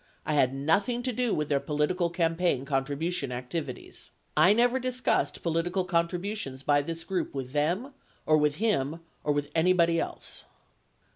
I had nothing to do with their political campaign contribution activities. 39 I never discussed political contributions by this group with them, or with him, or with anybody else.